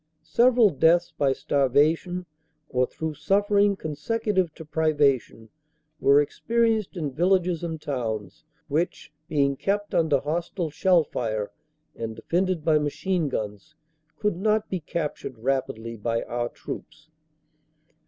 Several deaths by starvation, or through suffering consecutive to privation, were experienced in villages and towns which, being kept under hostile shell fire and defended by machine guns, could not be captured rapidly by our troops.